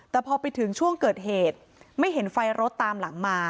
แต่พอไปถึงช่วงเกิดเหตุไม่เห็นไฟรถตามหลังมา